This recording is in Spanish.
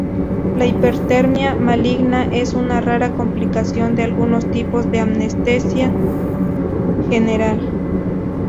La hipertermia maligna es una rara complicación de algunos tipos de anestesia general.